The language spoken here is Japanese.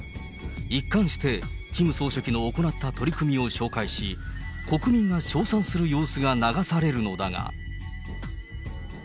一貫してキム総書記の行った取り組みを紹介し、国民が称賛する様子が流されるのだが。